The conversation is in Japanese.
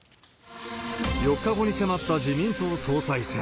４日後に迫った自民党総裁選。